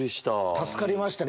助かりましたね